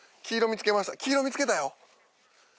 黄色見つけたよ。